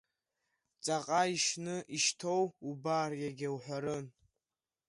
Ҵаҟа ишьны ишьҭоу убар, егьа уҳәарын.